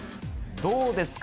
どうですか？